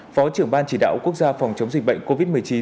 phó trưởng ban chỉ đạo quốc gia phòng chống dịch bệnh covid một mươi chín